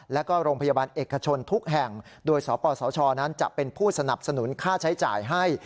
แล้วก็โรงพยาบาลเอกชนทุกแห่งโดยสปสชนั้นจะเป็นผู้สนับสนุนค่าใช้จ่ายให้